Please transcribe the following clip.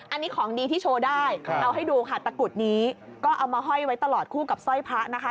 อันนี้ของดีที่โชว์ได้เอาให้ดูค่ะตะกรุดนี้ก็เอามาห้อยไว้ตลอดคู่กับสร้อยพระนะคะ